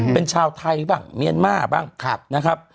เป็นชาวไทยบ้างเมียนมาร์บ้างนะครับ